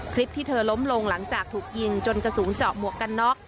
คลิปที่เธอล้มลงหลังจากถูกยิงจนกระสุนเจาะหมวกกันน็อก